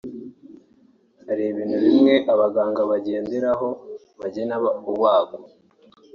Hari ibintu bimwe abaganga bagenderaho bagena ubagwa